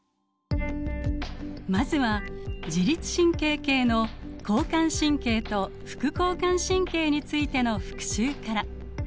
まずは自律神経系の交感神経と副交感神経についての復習から。